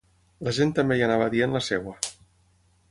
La gent també hi anava dient la seva.